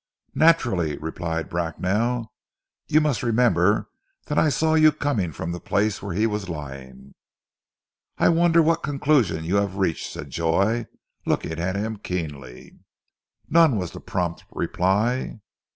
"Naturally," replied Bracknell. "You must remember that I saw you coming from the place where he was lying." "I wonder what conclusion you have reached," said Joy, looking at him keenly. "None," was the prompt reply.